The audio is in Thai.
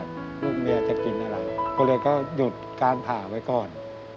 ลูกเมียจะกินอะไรก็เลยก็หยุดการผ่าไว้ก่อน